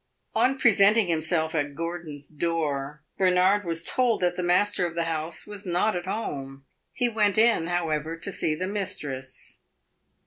On presenting himself at Gordon's door, Bernard was told that the master of the house was not at home; he went in, however, to see the mistress.